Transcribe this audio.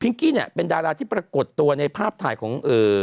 กี้เนี่ยเป็นดาราที่ปรากฏตัวในภาพถ่ายของ